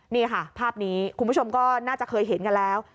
นี่ค่ะภาพนี้คุณผู้ชมก็น่าจะเคยเห็นกันแล้ว